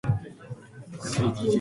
私はペットを飼っています。